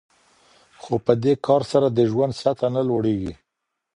خو په دې کار سره د ژوند سطحه نه لوړیږي.